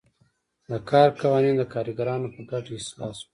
د کار قوانین د کارګرانو په ګټه اصلاح شول.